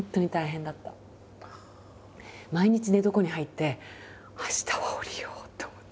毎日寝床に入って明日は下りようって思って。